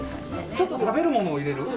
ちょっと、食べるものを入れる？